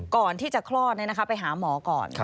ก่อนที่จะคลอดไปหาหมอก่อน